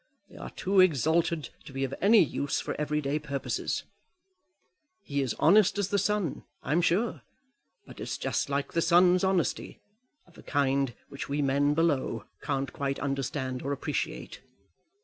They are too exalted to be of any use for everyday purposes. He is honest as the sun, I'm sure; but it's just like the sun's honesty, of a kind which we men below can't quite understand or appreciate.